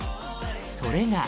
それが